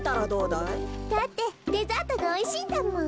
だってデザートがおいしいんだもん。